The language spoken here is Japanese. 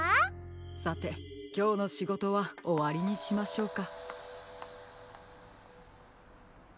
・さてきょうのしごとはおわりにしましょうか。